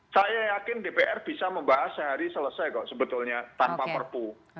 saya yakin dpr bisa membahas sehari selesai kok sebetulnya tanpa perpu